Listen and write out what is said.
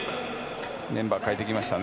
メンバーを代えてきましたね。